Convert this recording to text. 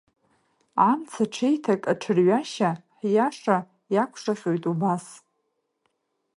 Амц аҽеиҭак, аҽырҩашьа, ҳиаша иақәшаҟьоит убас…